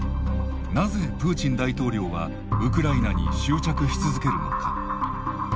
なぜプーチン大統領はウクライナに執着し続けるのか。